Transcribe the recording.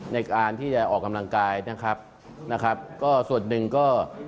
ในการที่จะออกกำลังกายนะครับนะครับก็ส่วนหนึ่งก็